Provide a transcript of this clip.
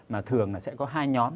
mà thường là sẽ có hai nhóm